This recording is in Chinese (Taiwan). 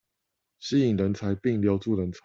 吸引人才並留住人才